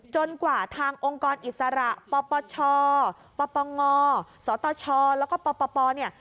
จนกว่าทางองค์กรอิสรภ์ปชปงสชแล้วก็ปไปล์